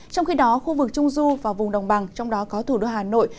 trong khi đó khu vực trung du và vùng đồng bằng trong đó có thủ đô hà nội